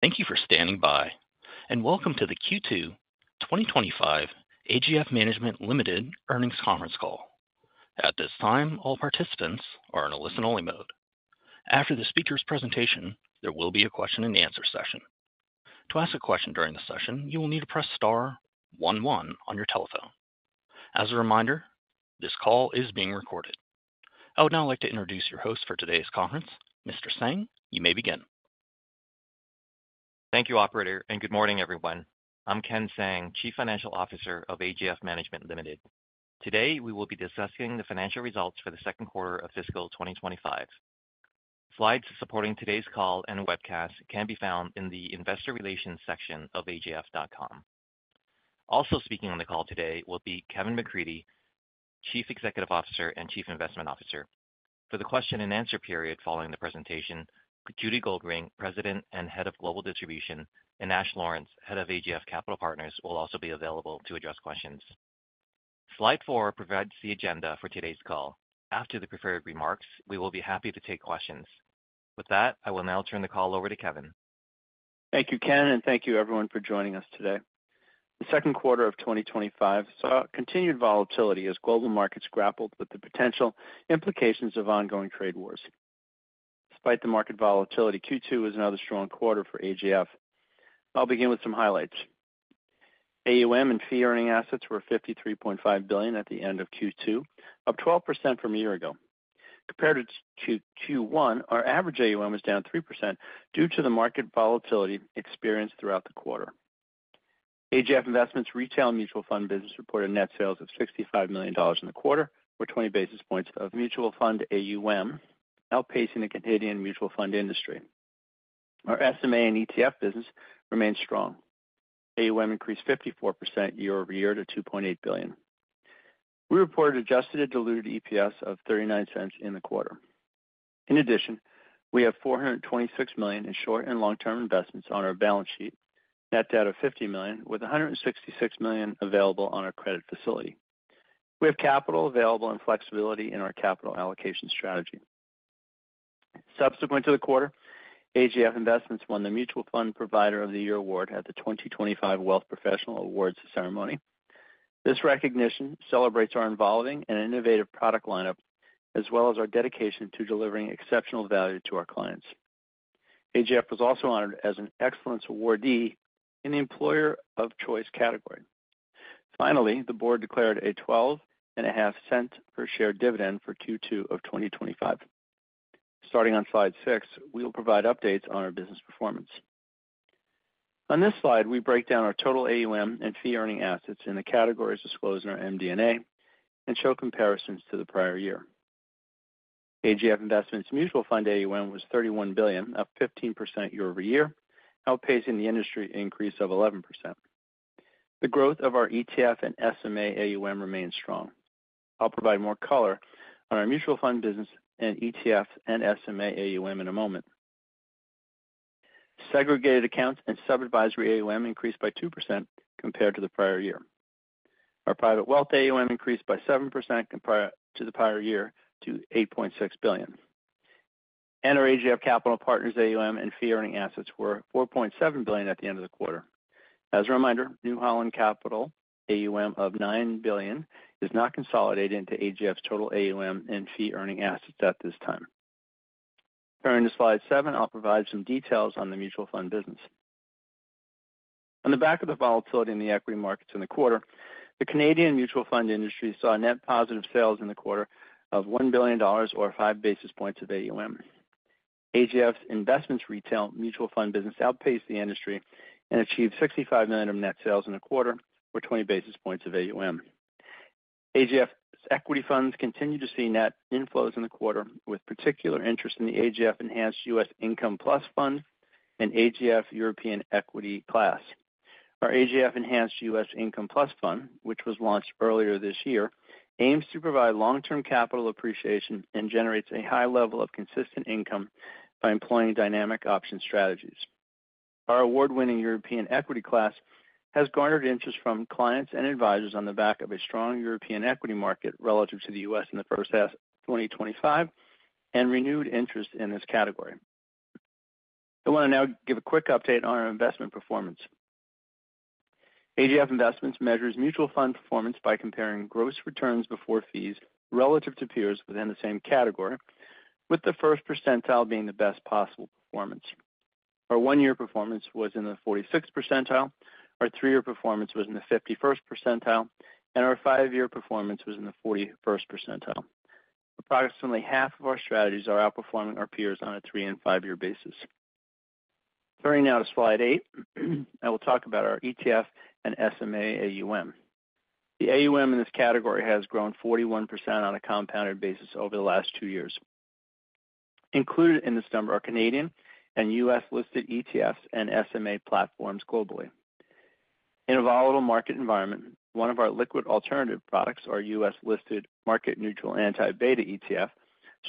Thank you for standing by, and welcome to the Q2 2025 AGF Management Limited Earnings Conference Call. At this time, all participants are in a listen-only mode. After the speaker's presentation, there will be a question-and-answer session. To ask a question during the session, you will need to press star one one on your telephone. As a reminder, this call is being recorded. I would now like to introduce your host for today's conference, Mr. Tsang. You may begin. Thank you, Operator, and good morning, everyone. I'm Ken Tsang, Chief Financial Officer of AGF Management Limited. Today, we will be discussing the financial results for the second quarter of fiscal 2025. Slides supporting today's call and webcast can be found in the investor relations section of AGF.com. Also speaking on the call today will be Kevin McCreadie, Chief Executive Officer and Chief Investment Officer. For the question-and-answer period following the presentation, Judy Goldring, President and Head of Global Distribution, and Ash Lawrence, Head of AGF Capital Partners, will also be available to address questions. Slide 4 provides the agenda for today's call. After the prepared remarks, we will be happy to take questions. With that, I will now turn the call over to Kevin. Thank you, Ken, and thank you, everyone, for joining us today. The second quarter of 2025 saw continued volatility as global markets grappled with the potential implications of ongoing trade wars. Despite the market volatility, Q2 was another strong quarter for AGF. I'll begin with some highlights. AUM and fee-earning assets were 53.5 billion at the end of Q2, up 12% from a year ago. Compared to Q1, our average AUM was down 3% due to the market volatility experienced throughout the quarter. AGF Investments' retail mutual fund business reported net sales of 65 million dollars in the quarter, or 20 basis points of mutual fund AUM, outpacing the Canadian mutual fund industry. Our SMA and ETF business remained strong. AUM increased 54% year-over-year to 2.8 billion. We reported adjusted and diluted EPS of 0.39 in the quarter. In addition, we have 426 million in short and long-term investments on our balance sheet, net debt of 50 million, with 166 million available on our credit facility. We have capital available and flexibility in our capital allocation strategy. Subsequent to the quarter, AGF Investments won the Mutual Fund Provider of the Year award at the 2025 Wealth Professional Awards ceremony. This recognition celebrates our evolving and innovative product lineup, as well as our dedication to delivering exceptional value to our clients. AGF was also honored as an Excellence Awardee in the Employer of Choice category. Finally, the board declared a 12.50 per share dividend for Q2 of 2025. Starting on Slide 6, we will provide updates on our business performance. On this slide, we break down our total AUM and fee-earning assets in the categories disclosed in our MD&A and show comparisons to the prior year. AGF Investments' mutual fund AUM was CAD 31 billion, up 15% year-over-year, outpacing the industry increase of 11%. The growth of our ETF and SMA AUM remains strong. I'll provide more color on our mutual fund business and ETF and SMA AUM in a moment. Segregated accounts and sub-advisory AUM increased by 2% compared to the prior year. Our private wealth AUM increased by 7% compared to the prior year to 8.6 billion. Our AGF Capital Partners AUM and fee-earning assets were 4.7 billion at the end of the quarter. As a reminder, New Holland Capital AUM of 9 billion is not consolidated into AGF's total AUM and fee-earning assets at this time. Comparing to slide seven, I'll provide some details on the mutual fund business. On the back of the volatility in the equity markets in the quarter, the Canadian mutual fund industry saw net positive sales in the quarter of 1 billion dollars, or 5 basis points of AUM. AGF's investments retail mutual fund business outpaced the industry and achieved 65 million of net sales in the quarter, or 20 basis points of AUM. AGF's equity funds continue to see net inflows in the quarter, with particular interest in the AGF Enhanced U.S. Income Plus Fund and AGF European Equity Class. Our AGF Enhanced U.S. Income Plus Fund, which was launched earlier this year, aims to provide long-term capital appreciation and generates a high level of consistent income by employing dynamic options strategies. Our award-winning European Equity Class has garnered interest from clients and advisors on the back of a strong European equity market relative to the U.S. in the first half of 2025 and renewed interest in this category. I want to now give a quick update on our investment performance. AGF Investments measures mutual fund performance by comparing gross returns before fees relative to peers within the same category, with the first percentile being the best possible performance. Our one-year performance was in the 46th percentile, our three-year performance was in the 51st percentile, and our five-year performance was in the 41st percentile. Approximately half of our strategies are outperforming our peers on a three and five-year basis. Turning now to Slide 8, I will talk about our ETF and SMA AUM. The AUM in this category has grown 41% on a compounded basis over the last two years. Included in this number are Canadian and U.S.-listed ETFs and SMA platforms globally. In a volatile market environment, one of our liquid alternative products, our U.S.-listed market-neutral anti-beta ETF,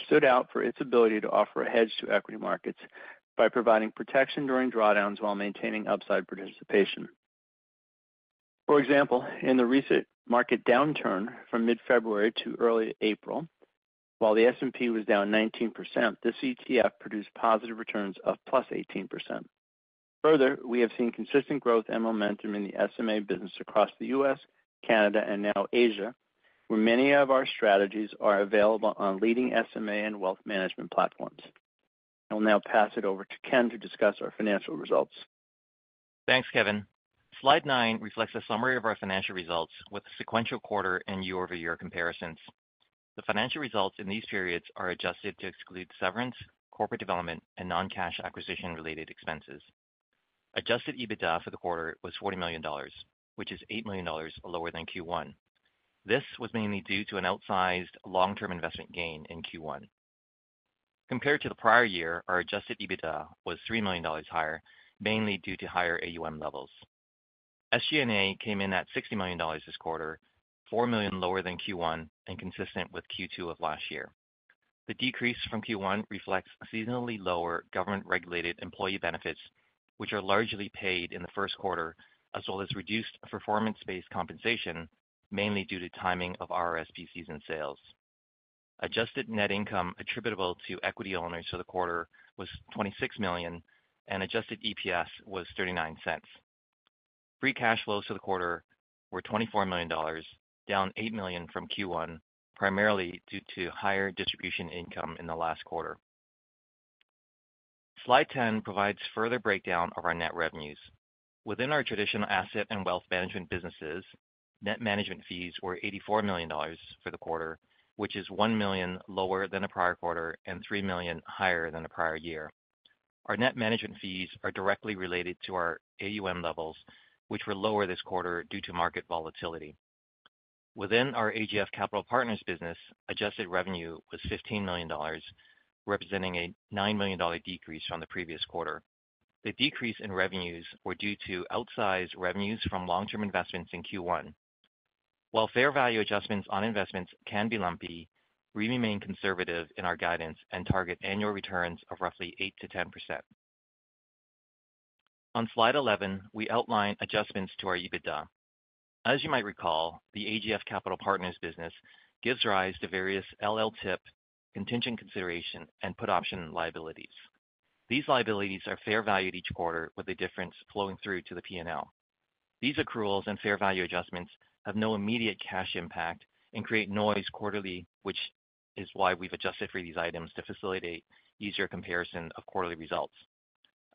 stood out for its ability to offer a hedge to equity markets by providing protection during drawdowns while maintaining upside participation. For example, in the recent market downturn from mid-February to early April, while the S&P was down 19%, this ETF produced positive returns of +18%. Further, we have seen consistent growth and momentum in the SMA business across the U.S., Canada, and now Asia, where many of our strategies are available on leading SMA and wealth management platforms. I will now pass it over to Ken to discuss our financial results. Thanks, Kevin. Slide 9 reflects a summary of our financial results with sequential quarter and year-over-year comparisons. The financial results in these periods are adjusted to exclude severance, corporate development, and non-cash acquisition-related expenses. Adjusted EBITDA for the quarter was 40 million dollars, which is 8 million dollars lower than Q1. This was mainly due to an outsized long-term investment gain in Q1. Compared to the prior year, our adjusted EBITDA was 3 million dollars higher, mainly due to higher AUM levels. SG&A came in at 60 million dollars this quarter, 4 million lower than Q1 and consistent with Q2 of last year. The decrease from Q1 reflects seasonally lower government-regulated employee benefits, which are largely paid in the first quarter, as well as reduced performance-based compensation, mainly due to timing of RRSP season sales. Adjusted net income attributable to equity owners for the quarter was 26 million, and adjusted EPS was 0.39. Free cash flows for the quarter were 24 million dollars, down 8 million from Q1, primarily due to higher distribution income in the last quarter. Slide 10 provides further breakdown of our net revenues. Within our traditional asset and wealth management businesses, net management fees were 84 million dollars for the quarter, which is 1 million lower than the prior quarter and 3 million higher than the prior year. Our net management fees are directly related to our AUM levels, which were lower this quarter due to market volatility. Within our AGF Capital Partners business, adjusted revenue was 15 million dollars, representing a 9 million dollar decrease from the previous quarter. The decrease in revenues was due to outsized revenues from long-term investments in Q1. While fair value adjustments on investments can be lumpy, we remain conservative in our guidance and target annual returns of roughly 8%-10%. On Slide 11, we outline adjustments to our EBITDA. As you might recall, the AGF Capital Partners business gives rise to various LLTIP, contingent consideration, and put option liabilities. These liabilities are fair valued each quarter, with the difference flowing through to the P&L. These accruals and fair value adjustments have no immediate cash impact and create noise quarterly, which is why we've adjusted for these items to facilitate easier comparison of quarterly results.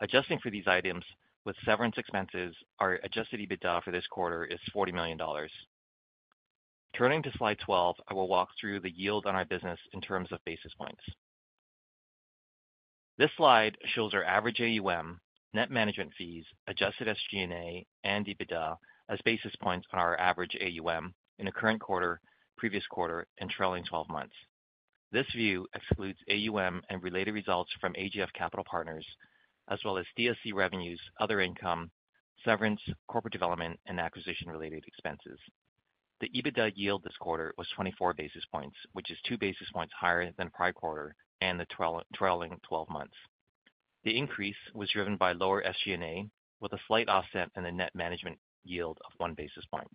Adjusting for these items with severance expenses, our adjusted EBITDA for this quarter is 40 million dollars. Turning to Slide 12, I will walk through the yield on our business in terms of basis points. This slide shows our average AUM, net management fees, adjusted SG&A, and EBITDA as basis points on our average AUM in the current quarter, previous quarter, and trailing 12 months. This view excludes AUM and related results from AGF Capital Partners, as well as DSC revenues, other income, severance, corporate development, and acquisition-related expenses. The EBITDA yield this quarter was 24 basis points, which is two basis points higher than prior quarter and the trailing 12 months. The increase was driven by lower SG&A, with a slight offset in the net management yield of one basis point.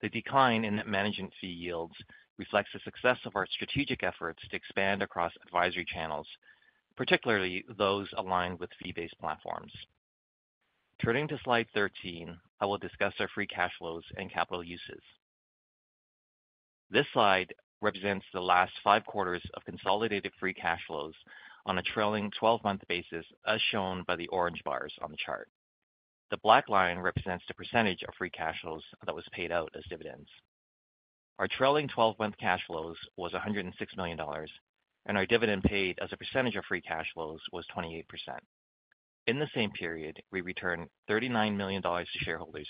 The decline in net management fee yields reflects the success of our strategic efforts to expand across advisory channels, particularly those aligned with fee-based platforms. Turning to Slide 13, I will discuss our free cash flows and capital uses. This slide represents the last five quarters of consolidated free cash flows on a trailing 12-month basis, as shown by the orange bars on the chart. The black line represents the percentage of free cash flows that was paid out as dividends. Our trailing 12-month cash flows was 106 million dollars, and our dividend paid as a percentage of free cash flows was 28%. In the same period, we returned 39 million dollars to shareholders,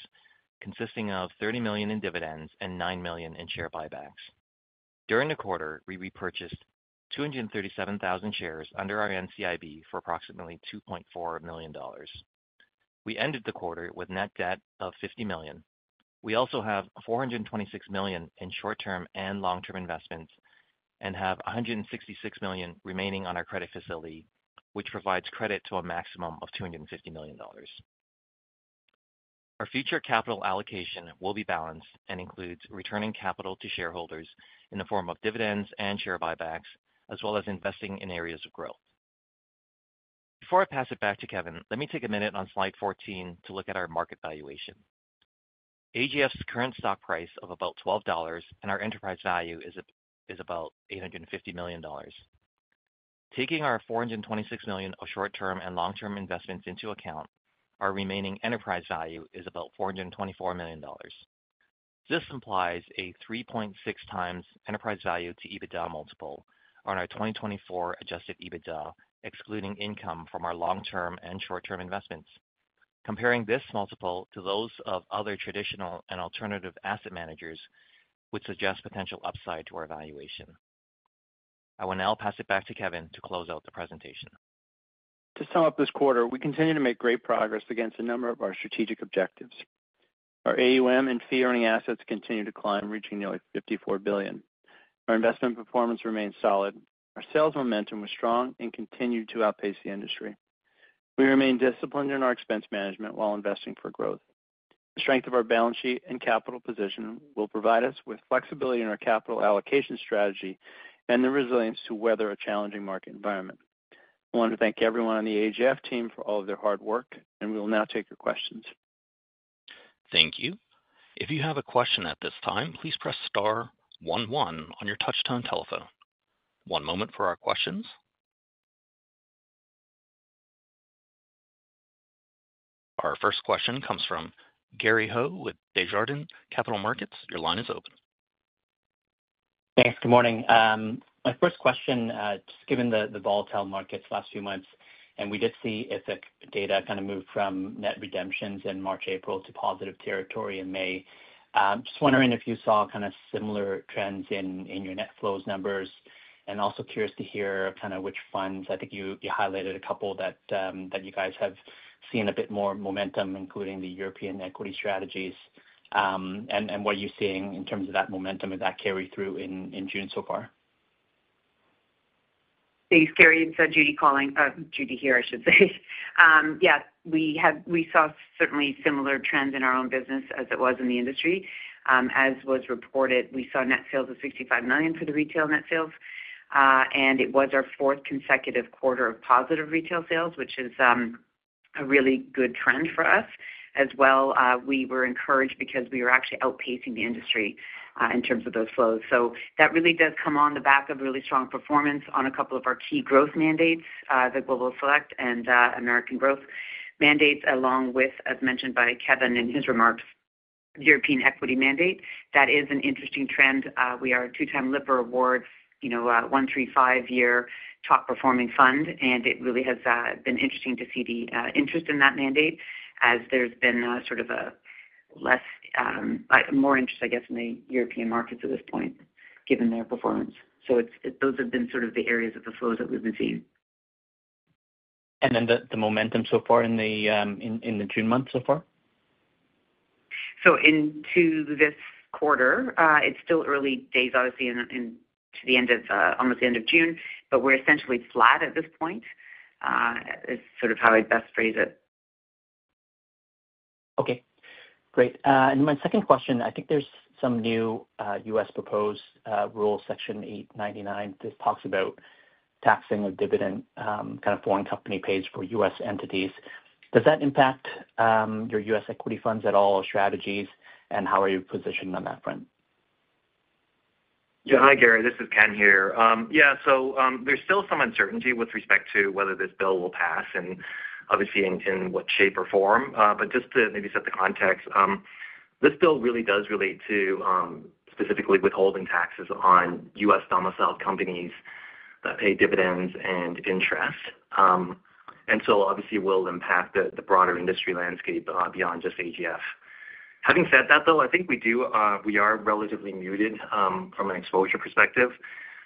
consisting of 30 million in dividends and 9 million in share buybacks. During the quarter, we repurchased 237,000 shares under our NCIB for approximately 2.4 million dollars. We ended the quarter with net debt of 50 million. We also have 426 million in short-term and long-term investments and have 166 million remaining on our credit facility, which provides credit to a maximum of 250 million dollars. Our future capital allocation will be balanced and includes returning capital to shareholders in the form of dividends and share buybacks, as well as investing in areas of growth. Before I pass it back to Kevin, let me take a minute on Slide 14 to look at our market valuation. AGF's current stock price is about 12 dollars, and our enterprise value is about 850 million dollars. Taking our 426 million of short-term and long-term investments into account, our remaining enterprise value is about 424 million dollars. This implies a 3.6x enterprise value to EBITDA multiple on our 2024 adjusted EBITDA, excluding income from our long-term and short-term investments. Comparing this multiple to those of other traditional and alternative asset managers would suggest potential upside to our valuation. I will now pass it back to Kevin to close out the presentation. To sum up this quarter, we continue to make great progress against a number of our strategic objectives. Our AUM and fee-earning assets continue to climb, reaching nearly 54 billion. Our investment performance remains solid. Our sales momentum was strong and continued to outpace the industry. We remain disciplined in our expense management while investing for growth. The strength of our balance sheet and capital position will provide us with flexibility in our capital allocation strategy and the resilience to weather a challenging market environment. I want to thank everyone on the AGF team for all of their hard work, and we will now take your questions. Thank you. If you have a question at this time, please press star one one on your touch-tone telephone. One moment for our questions. Our first question comes from Gary Ho with Desjardins Capital Markets. Your line is open. Thanks. Good morning. My first question, just given the volatile markets last few months, and we did see IFIC data kind of move from net redemptions in March, April to positive territory in May. Just wondering if you saw kind of similar trends in your net flows numbers, and also curious to hear kind of which funds. I think you highlighted a couple that you guys have seen a bit more momentum, including the European equity strategies. What are you seeing in terms of that momentum? Did that carry through in June so far? Thanks, Gary. Judy here. Yeah, we saw certainly similar trends in our own business as it was in the industry. As was reported, we saw net sales of 65 million for the retail net sales, and it was our fourth consecutive quarter of positive retail sales, which is a really good trend for us. As well, we were encouraged because we were actually outpacing the industry in terms of those flows. That really does come on the back of really strong performance on a couple of our key growth mandates, the Global Select and American Growth mandates, along with, as mentioned by Kevin in his remarks, the European equity mandate. That is an interesting trend. We are a two-time Lipper Awards, you know, 135-year top-performing fund, and it really has been interesting to see the interest in that mandate, as there's been sort of a less, more interest, I guess, in the European markets at this point, given their performance. Those have been sort of the areas of the flows that we've been seeing. The momentum so far in the June months so far? Into this quarter, it's still early days, obviously, into the end of, almost the end of June, but we're essentially flat at this point, is sort of how I'd best phrase it. Okay. Great. My second question, I think there's some new U.S. proposed rule, Section 899. This talks about taxing of dividend, kind of foreign company pays for U.S. entities. Does that impact your U.S. equity funds at all or strategies, and how are you positioned on that front? Yeah. Hi, Gary. This is Ken here. Yeah. There is still some uncertainty with respect to whether this bill will pass and obviously in what shape or form. Just to maybe set the context, this bill really does relate to specifically withholding taxes on U.S. domiciled companies that pay dividends and interest. Obviously, it will impact the broader industry landscape beyond just AGF. Having said that, though, I think we are relatively muted from an exposure perspective.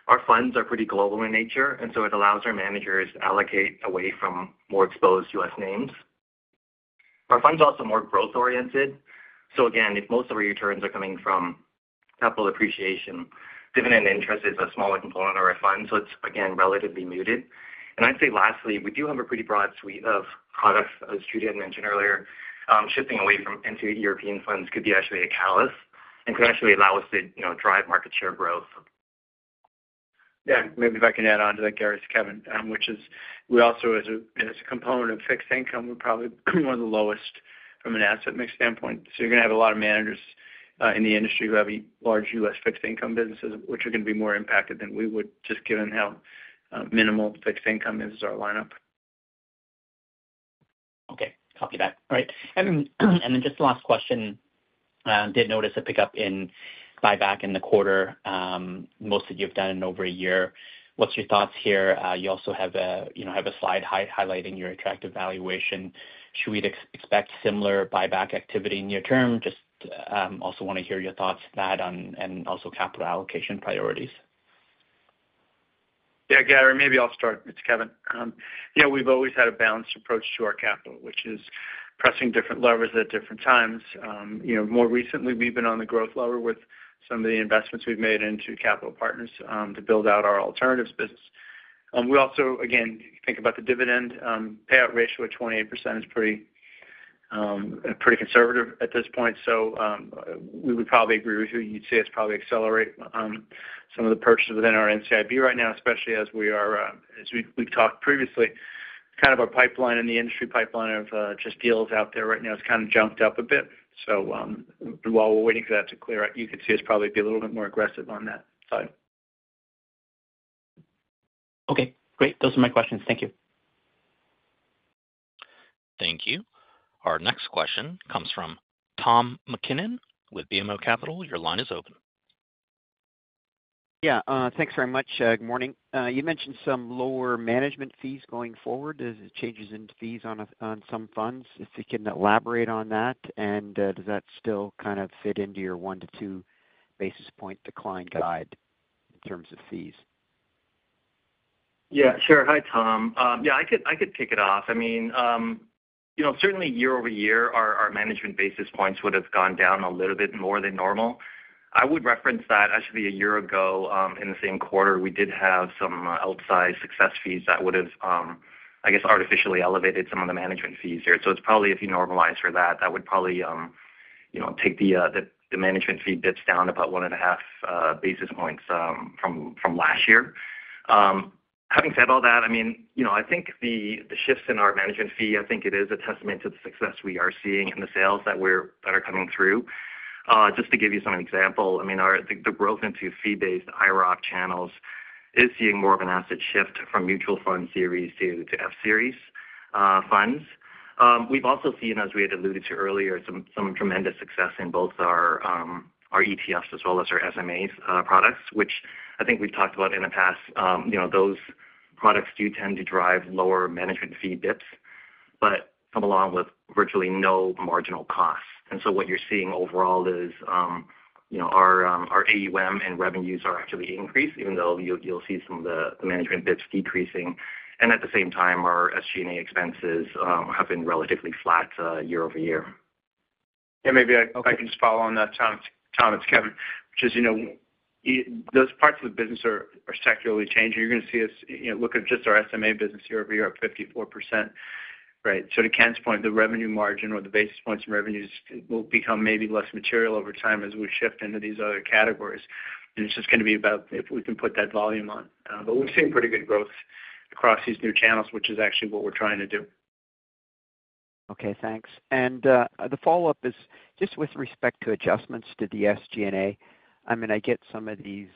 Our funds are pretty global in nature, and it allows our managers to allocate away from more exposed U.S. names. Our funds are also more growth-oriented. Again, if most of our returns are coming from capital appreciation, dividend interest is a smaller component of our fund. It is, again, relatively muted. I'd say lastly, we do have a pretty broad suite of products, as Judy had mentioned earlier. Shifting away from into European funds could be actually a catalyst and could actually allow us to drive market share growth. Yeah. Maybe if I can add on to that, Gary, to Kevin, which is we also, as a component of fixed income, we're probably one of the lowest from an asset mix standpoint. You're going to have a lot of managers in the industry who have large U.S. fixed income businesses, which are going to be more impacted than we would, just given how minimal fixed income is as our lineup. Okay. Copy that. All right. And then just the last question. Did notice a pickup in buyback in the quarter. Most you have done in over a year. What's your thoughts here? You also have a slide highlighting your attractive valuation. Should we expect similar buyback activity in near term? Just also want to hear your thoughts on that and also capital allocation priorities. Yeah, Gary, maybe I'll start. It's Kevin. Yeah, we've always had a balanced approach to our capital, which is pressing different levers at different times. More recently, we've been on the growth lever with some of the investments we've made into Capital Partners to build out our alternatives business. We also, again, think about the dividend payout ratio at 28% is pretty conservative at this point. We would probably agree with you, you'd see us probably accelerate some of the purchases within our NCIB right now, especially as we've talked previously. Kind of our pipeline and the industry pipeline of just deals out there right now has kind of jumped up a bit. While we're waiting for that to clear out, you could see us probably be a little bit more aggressive on that side. Okay. Great. Those are my questions. Thank you. Thank you. Our next question comes from Tom MacKinnon with BMO Capital. Your line is open. Yeah. Thanks very much. Good morning. You mentioned some lower management fees going forward. Is it changes in fees on some funds? If you can elaborate on that, and does that still kind of fit into your one to two basis point decline guide in terms of fees? Yeah. Sure. Hi, Tom. Yeah, I could pick it off. I mean, certainly year-over-year, our management basis points would have gone down a little bit more than normal. I would reference that actually a year ago in the same quarter, we did have some outsized success fees that would have, I guess, artificially elevated some of the management fees here. It is probably, if you normalize for that, that would probably take the management fee dips down about one and a half basis points from last year. Having said all that, I mean, I think the shifts in our management fee, I think it is a testament to the success we are seeing in the sales that are coming through. Just to give you some example, I mean, the growth into fee-based IROC channels is seeing more of an asset shift from mutual fund series to F-series funds. We've also seen, as we had alluded to earlier, some tremendous success in both our ETFs as well as our SMAs products, which I think we've talked about in the past. Those products do tend to drive lower management fee dips, but come along with virtually no marginal costs. What you're seeing overall is our AUM and revenues are actually increased, even though you'll see some of the management bids decreasing. At the same time, our SG&A expenses have been relatively flat year-over-year. Yeah. Maybe I can just follow on that, Tom. It's Kevin, which is those parts of the business are sectorally changing. You're going to see us look at just our SMA business year-over-year at 54%. Right. To Ken's point, the revenue margin or the basis points and revenues will become maybe less material over time as we shift into these other categories. It's just going to be about if we can put that volume on. We've seen pretty good growth across these new channels, which is actually what we're trying to do. Okay. Thanks. The follow-up is just with respect to adjustments to the SG&A. I mean, I get some of these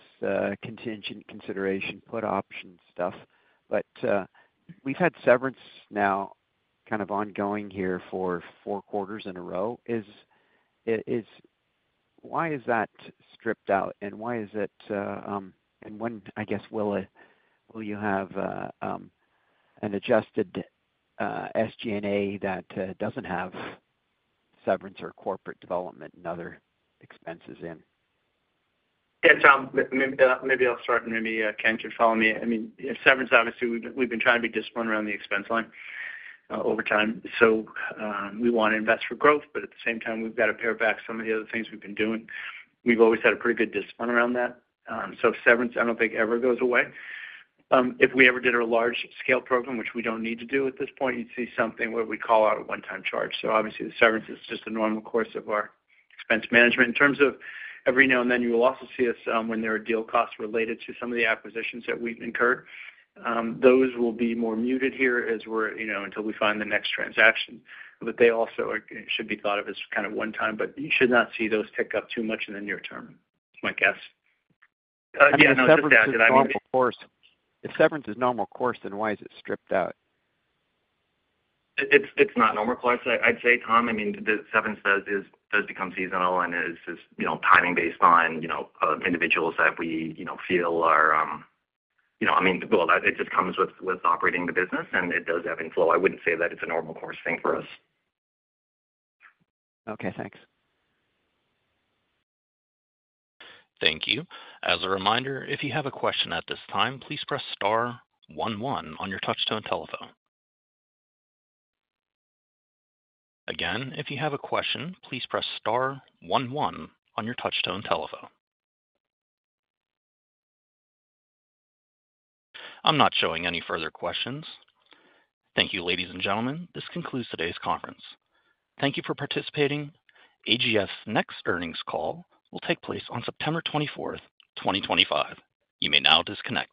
contingent consideration put option stuff, but we've had severance now kind of ongoing here for four quarters in a row. Why is that stripped out? Why is it? When, I guess, will you have an adjusted SG&A that does not have severance or corporate development and other expenses in? Yeah, Tom, maybe I'll start, and maybe Ken can follow me. I mean, severance, obviously, we've been trying to be disciplined around the expense line over time. We want to invest for growth, but at the same time, we've got to pare back some of the other things we've been doing. We've always had a pretty good discipline around that. Severance, I don't think ever goes away. If we ever did a large-scale program, which we don't need to do at this point, you'd see something where we call out a one-time charge. Obviously, the severance is just a normal course of our expense management. In terms of every now and then, you will also see us when there are deal costs related to some of the acquisitions that we've incurred. Those will be more muted here as we're until we find the next transaction. They also should be thought of as kind of one-time, but you should not see those tick up too much in the near term, my guess. Yeah. The severance is normal course. If severance is normal course, then why is it stripped out? It's not normal course. I'd say, Tom, I mean, the severance does become seasonal and is timing based on individuals that we feel are, I mean, well, it just comes with operating the business, and it does ebb and flow. I wouldn't say that it's a normal course thing for us. Okay. Thanks. Thank you. As a reminder, if you have a question at this time, please press star one one on your touch-tone telephone. Again, if you have a question, please press star one one on your touch-tone telephone. I'm not showing any further questions. Thank you, ladies and gentlemen. This concludes today's conference. Thank you for participating. AGF's next earnings call will take place on September 24th, 2025. You may now disconnect.